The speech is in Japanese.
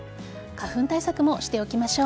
花粉対策もしておきましょう。